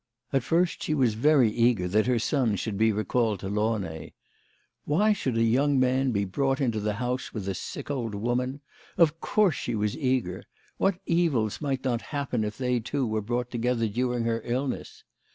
At first she was very eager that her son should not be recalled to Launay. " Why should a young man be brought into the house with a sick old woman ? Of course she was eager. What evils might not happen if they two were brought together during her illness